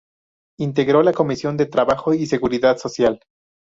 Integró la Comisión de Trabajo y Seguridad Social.